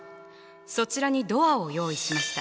そちらにドアを用意しました。